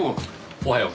おはよう。